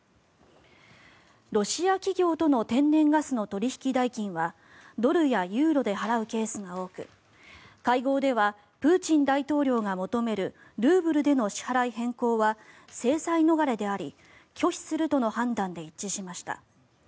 ロシア企業との天然ガスの取引代金はドルやユーロで払うケースが多く会合ではプーチン大統領が求めるルーブルでの支払い変更は制裁逃れであり拒否するとの判断で一致しました。